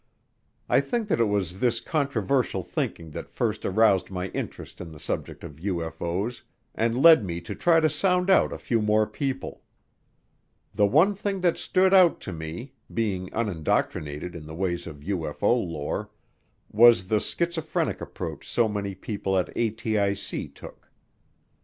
I think that it was this controversial thinking that first aroused my interest in the subject of UFO's and led me to try to sound out a few more people. The one thing that stood out to me, being unindoctrinated in the ways of UFO lore, was the schizophrenic approach so many people at ATIC took.